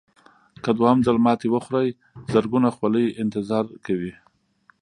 که دوهم ځل ماتې وخورئ زرګونه خولې انتظار کوي.